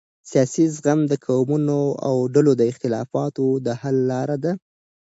سیاسي زغم د قومونو او ډلو د اختلافاتو د حل لاره ده